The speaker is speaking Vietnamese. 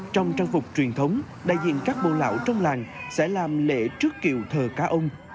trong trang phục truyền thống đại diện các bồ lão trong làng sẽ làm lễ trước kiều thờ cá ông